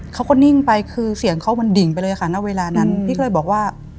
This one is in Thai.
เขาก็นิ่งไปคือเสียงเขามันดิ่งไปเลยค่ะณเวลานั้นพี่ก็เลยบอกว่า